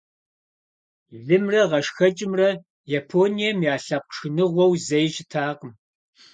Лымрэ гъэшхэкӀымрэ Японием я лъэпкъ шхыныгъуэу зэи щытакъым.